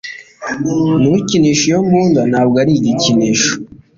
Ntukinishe iyo mbunda, ntabwo ari igikinisho.